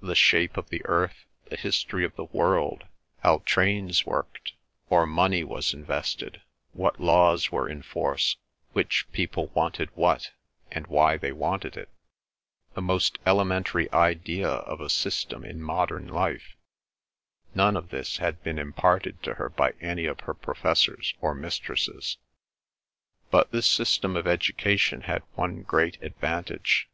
The shape of the earth, the history of the world, how trains worked, or money was invested, what laws were in force, which people wanted what, and why they wanted it, the most elementary idea of a system in modern life—none of this had been imparted to her by any of her professors or mistresses. But this system of education had one great advantage.